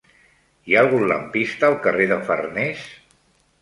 Hi ha algun lampista al carrer de Farnés?